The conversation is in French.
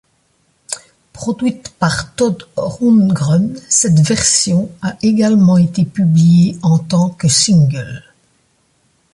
Produite par Todd Rundgren, cette version a également été publiée en tant que single.